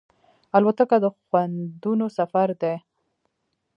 الوتکه د خوندونو سفر دی.